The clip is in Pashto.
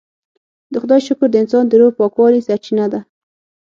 د خدای شکر د انسان د روح پاکوالي سرچینه ده.